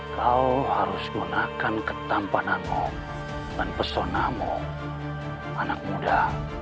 kau harus menggunakan ketampananmu dan pesonamu anak muda